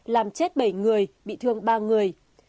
làm chết bảy người bị thương ba người